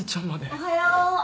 ・おはよう。